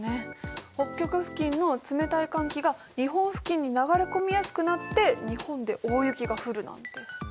北極付近の冷たい寒気が日本付近に流れ込みやすくなって日本で大雪が降るなんて。